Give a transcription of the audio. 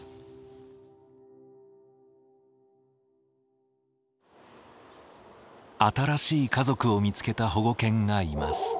僕が知ったように新しい家族を見つけた保護犬がいます。